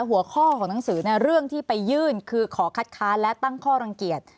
หัวข้อของหนังสือเรื่องที่ไปยื่นคือขอคัดค้านและตั้งข้อรังเกียจ